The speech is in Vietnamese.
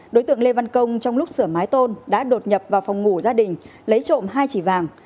đối tượng lê văn công trong lúc sửa mái tôn đã đột nhập vào phòng ngủ gia đình lấy trộm hai chỉ vàng